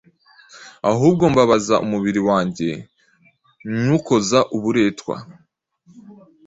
Ahubwo mbabaza umubiri wanjye, nywukoza uburetwa,